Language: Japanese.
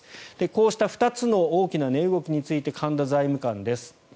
こうした２つの大きな値動きについて神田財務官です。